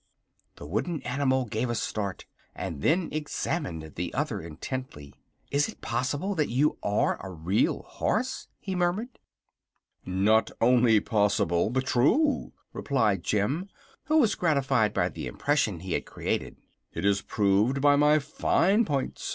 The wooden animal gave a start, and then examined the other intently. "Is it possible that you are a Real Horse?" he murmured. "Not only possible, but true," replied Jim, who was gratified by the impression he had created. "It is proved by my fine points.